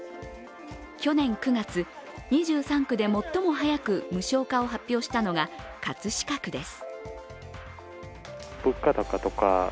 去年９月、２３区で最も早く無償化を発表したのが葛飾区です。